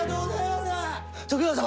徳川様！